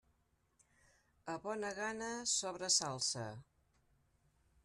A bona gana, sobra salsa.